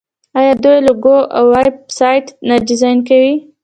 آیا دوی لوګو او ویب سایټ نه ډیزاین کوي؟